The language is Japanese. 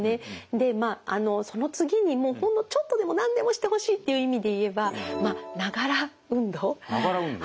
でまあその次にほんのちょっとでも何でもしてほしいっていう意味で言えばながら運動。ながら運動。